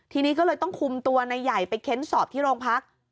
ทีนี้ก็เลยต้องคุมตัวนายใหญ่ไปเค้นสอบที่โรงพัก